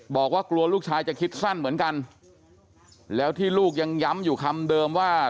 บอกว่ากลัวลูกชายจะคิดสั้นเหมือนกันแล้วที่ลูกยังย้ำอยู่คำเดิมว่า